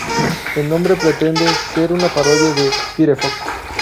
El nombre pretende ser una parodia de "Firefox".